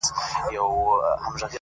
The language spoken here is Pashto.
مخ ځيني اړومه-